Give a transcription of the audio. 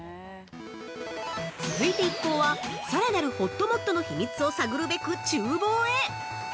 続いて一行は、さらなるほっともっとの秘密を探るべく厨房へ！